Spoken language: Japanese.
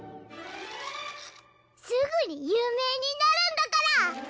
すぐに有名になるんだから！